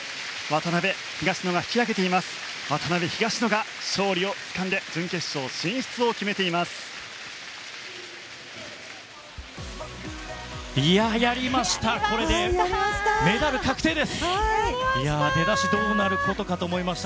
渡辺、東野が勝利をつかんで準決勝進出です。